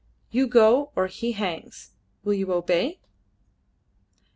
"You go, or he hangs. Will you obey?"